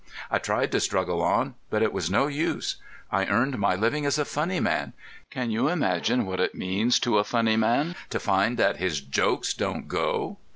I tried to struggle on, but it was no use. I earned my living as a funny man. Can you imagine what it means to a funny man to find that his jokes don't go?